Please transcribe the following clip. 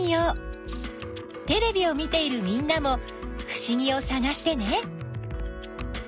テレビを見ているみんなもふしぎをさがしてね！